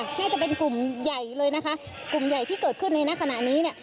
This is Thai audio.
น่าจะเป็นกลุ่มใหญ่เลยนะคะกลุ่มใหญ่ที่เกิดขึ้นในขณะนี้เนี่ย